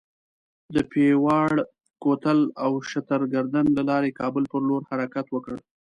د پیواړ کوتل او شترګردن له لارې کابل پر لور حرکت وکړ.